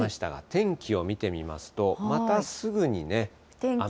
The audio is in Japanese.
天気を見てみますと、またすぐにね、雨。